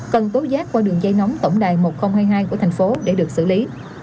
cần tố giác qua đường dây nóng tổng đài một nghìn hai mươi hai của thành phố để được xử lý